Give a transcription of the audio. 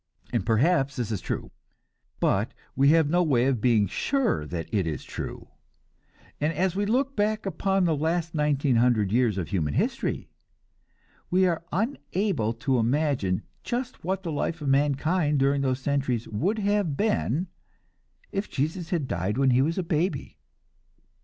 And perhaps this is true; but we have no way of being sure that it is true, and as we look back upon the last nineteen hundred years of human history, we are unable to imagine just what the life of mankind during those centuries would have been if Jesus had died when he was a baby.